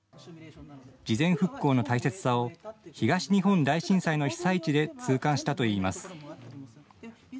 事前復興の大切さを東日本大震災の被災地で痛感したといいます。